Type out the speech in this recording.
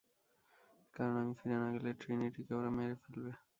কারণ, আমি ফিরে না গেলে ট্রিনিটিকে ও মেরে ফেলবে।